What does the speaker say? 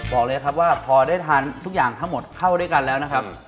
บอกเลยครับว่าพอได้ทานทุกอย่างทั้งหมดเข้าด้วยกันแล้วนะครับ